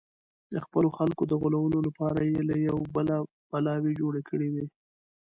د خپلو خلکو د غولولو لپاره یې له یوه بله بلاوې جوړې کړې وې.